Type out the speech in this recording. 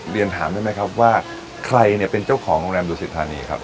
เรียนถามได้ไหมครับว่าใครเนี่ยเป็นเจ้าของโรงแรมดูสิทธานีครับ